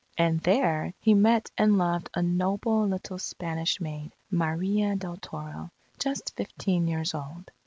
And there, he met and loved a noble, little Spanish maid, Maria del Toro, just fifteen years old.